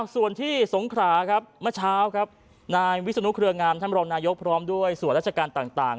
ส่วนที่สงขราครับเมื่อเช้าครับนายวิศนุเครืองามท่านรองนายกพร้อมด้วยส่วนราชการต่าง